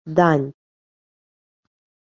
— Дань.